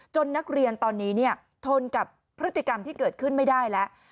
นักเรียนตอนนี้ทนกับพฤติกรรมที่เกิดขึ้นไม่ได้แล้ว